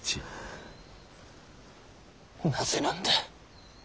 なぜなんだ？